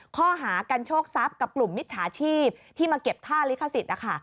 ข้อหากันโชคทรัพย์กับกลุ่มมิจฉาชีพที่มาเก็บค่าลิขสิทธิ์